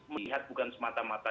melihat bukan semata mata